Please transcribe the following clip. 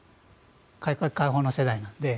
改革開放の世代なので。